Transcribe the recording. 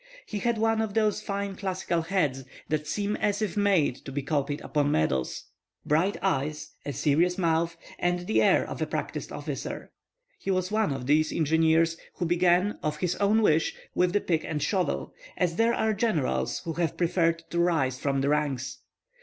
He had one of those fine classical heads that seem as if made to be copied upon medals; bright eyes, a serious mouth, and the air of a practiced officer. He was one of these engineers who began of his own wish with the pick and shovel, as there are generals who have preferred to rise from the ranks.